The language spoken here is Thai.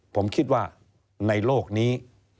ผมคิดว่าในโลกนี้